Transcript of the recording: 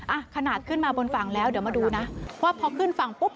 อ่ะขนาดขึ้นมาบนฝั่งแล้วเดี๋ยวมาดูนะว่าพอขึ้นฝั่งปุ๊บ